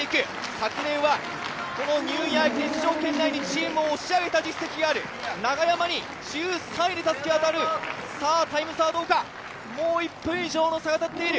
昨年はニューイヤー出場圏内にチームを押し上げた実績がある長山に１３位でたすきが渡る。